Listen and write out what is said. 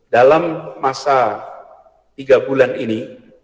dalam masa tiga bulan ini